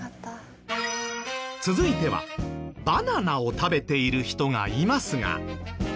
続いてはバナナを食べている人がいますが。